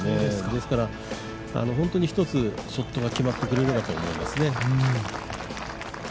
ですから本当に一つショットが決まってくれればと思いますね。